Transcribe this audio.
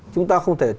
chúng ta không thể